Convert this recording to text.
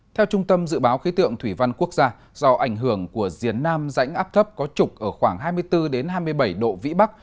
theo trung tâm dự báo khí tượng thủy văn quốc gia do ảnh hưởng của diền nam rãnh áp thấp có trục ở khoảng hai mươi bốn hai mươi bảy độ vĩ bắc